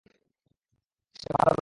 সে ভালো ব্যাটসম্যান।